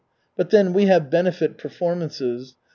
But then we have benefit performances.